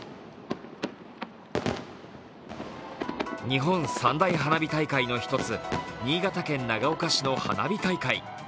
日本三大花火大会の一つ、新潟県長岡市の花火大会。